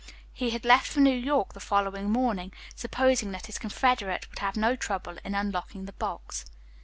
He had left for New York the following morning, supposing that his confederate would have no trouble in unlocking the box.